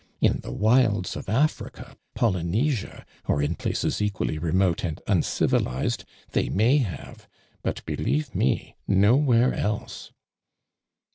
In the wilds of Ai'rica, Polynesia, or in places equally remote and uncivilized, they may have, but, believe me, nowhere else